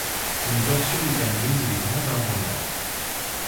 Il dort sur les palmiers et les grands arbres morts.